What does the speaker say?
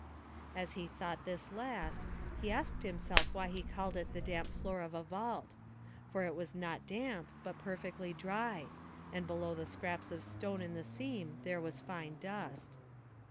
As he thought this last, he asked himself why he called it the damp floor of a vault. For it was not damp, but perfectly dry, and below the scraps of stone in the seam there was fine dust.